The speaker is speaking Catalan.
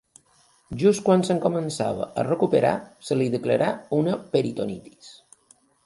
Just quan se'n començava a recuperar, se li declarà una peritonitis.